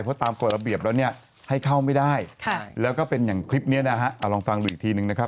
เพราะตามกฎระเบียบแล้วเนี่ยให้เข้าไม่ได้แล้วก็เป็นอย่างคลิปนี้นะฮะเอาลองฟังดูอีกทีนึงนะครับ